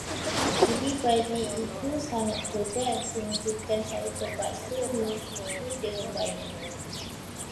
Cili padi itu sangat pedas, hinggakan saya terpaksa minum susu dengan banyak.